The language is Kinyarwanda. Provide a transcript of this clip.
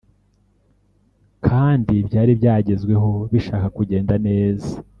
kandi byari byagezweho bishaka kugenda neza